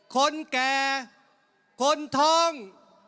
คนแก่คนทอง